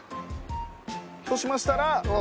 そうしましたら。